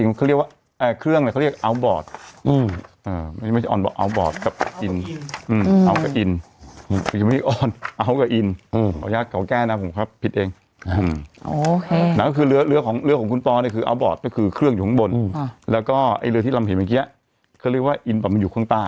ไอ้เรือที่ลำเห็นแบบเงี้ยเค้าเรียกว่าอินแบบมันอยู่ข้างใต้